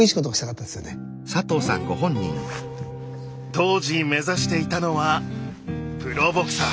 当時目指していたのはプロボクサー。